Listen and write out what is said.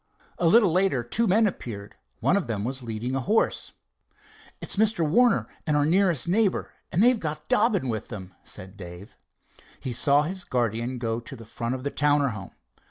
A little later two men appeared. One of them was leading a horse. "It's Mr. Warner and our nearest neighbor, and they've got old Dobbin with them," said Dave. He saw his guardian go to the front of the Towner home.